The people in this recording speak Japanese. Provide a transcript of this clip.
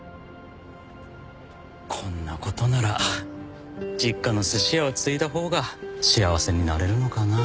こんなことなら実家のすし屋を継いだ方が幸せになれるのかな。